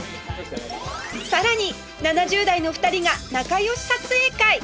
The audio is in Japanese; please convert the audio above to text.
さらに７０代の２人が仲良し撮影会